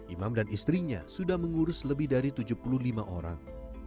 imam dan istrinya sudah mengurus lebih dari tujuh puluh lima orang